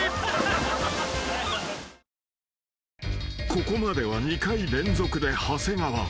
［ここまでは２回連続で長谷川］